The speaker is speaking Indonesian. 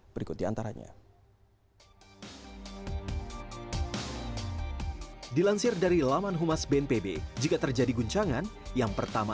berikut di antaranya